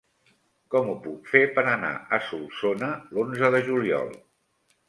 Com ho puc fer per anar a Solsona l'onze de juliol?